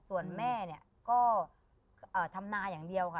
ส่วนแม่เนี่ยก็ทำนาอย่างเดียวค่ะ